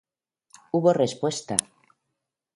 Hubo respuesta.